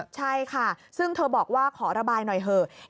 ใช่ค่ะซึ่งเธอบอกว่าขอระบายหน่อยเถอะ